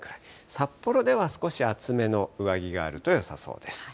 札幌では少し厚めの上着があるとよさそうです。